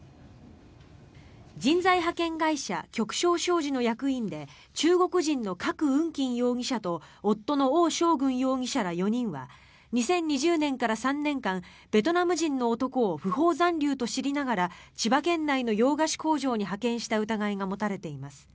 人材派遣会社旭昇商事の役員で中国人のカク・ウンキン容疑者と夫のオウ・ショウグン容疑者ら４人は２０２０年から３年間ベトナム人の男を不法残留と知りながら千葉県内の洋菓子工場に派遣した疑いが持たれています。